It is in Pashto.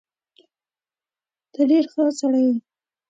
ته ډېر ښه سړی يې.